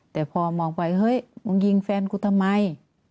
แต่พอมองไปเฮ้ยมึงยิงแฟนกูทำไม